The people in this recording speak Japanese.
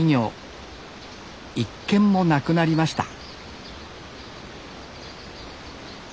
１軒もなくなりました